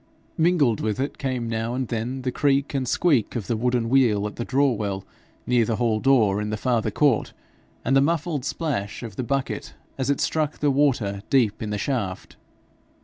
Mingled with it came now and then the creak and squeak of the wooden wheel at the draw well near the hall door in the farther court, and the muffled splash of the bucket as it struck the water deep in the shaft.